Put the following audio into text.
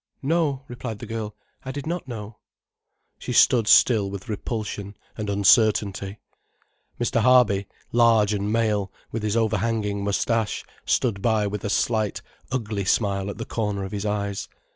"No," replied the girl, "I did not know." She stood still with repulsion and uncertainty. Mr. Harby, large and male, with his overhanging moustache, stood by with a slight, ugly smile at the corner of his eyes.